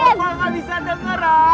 opa gak bisa denger rak